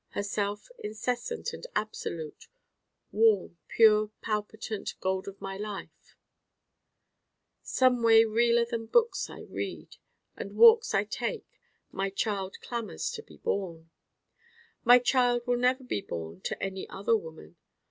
herself incessant and absolute: warm pure palpitant gold of my life Someway realer than books I read and walks I take my Child clamors to be born. My Child will never be born to any other woman.